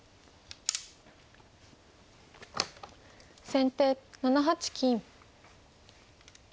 先手７八金。